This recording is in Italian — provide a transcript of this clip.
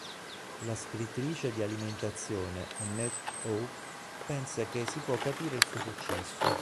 La scrittrice di alimentazione Annette Hope pensa che "si può capire il suo successo.